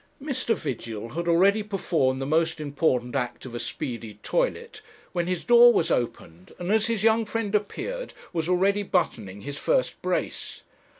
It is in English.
Mr. Vigil had already performed the most important act of a speedy toilet, when his door was opened, and as his young friend appeared was already buttoning his first brace.